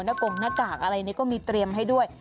กงหน้ากากอะไรนี่ก็มีเตรียมให้ด้วย